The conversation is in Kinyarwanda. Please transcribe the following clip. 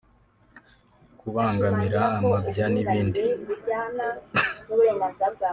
kubangamira amabya n’ibindi